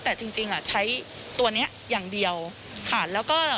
แต่จริงใช้ตัวนี้อย่างเดียวค่ะ